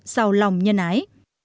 sầu lòng nhân ái